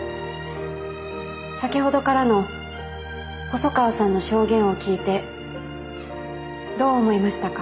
先ほどからの細川さんの証言を聞いてどう思いましたか？